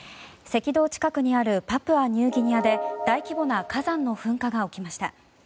赤道近くにあるパプアニューギニアで大規模な火山の噴火が起きました。